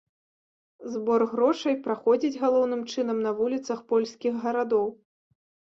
Збор грошай праходзіць галоўным чынам на вуліцах польскіх гарадоў.